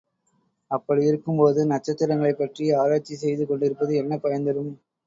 அப்படியிருக்கும்போது, நட்சத்திரங்களைப்பற்றி ஆராய்ச்சி செய்து கொண்டிருப்பது என்ன பயன் தரும்?